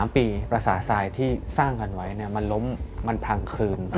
๓ปีภาษาทรายที่สร้างกันไว้มันล้มมันพังคลืน